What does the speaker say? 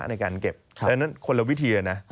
ในการเก็บดังนั้นคนละวิธีเลยนะ